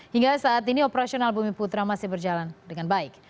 hingga saat ini operasional bumi putra masih berjalan dengan baik